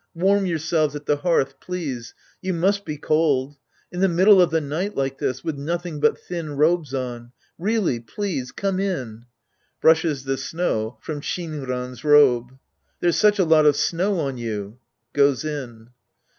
Warm yourselves at the hearth, please. You must be cold. In the middle of the night like this ! With nothing but thin robes oni Really, please come in. (^Brushes the snow from Shinran's robe^ There's such a lot of snow on you. (Goes in.)